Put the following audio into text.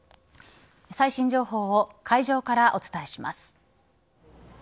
最新情報を会場からお伝えします。